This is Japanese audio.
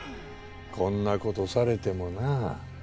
こんな事されてもなあ。